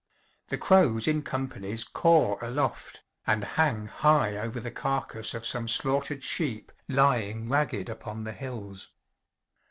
The crows in companies caw aloft, and hang high over the carcass of some slaughtered sheep lying ragged upon the hills.